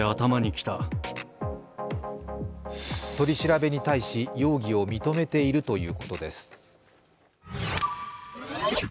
取り調べに対し、容疑を認めているということです。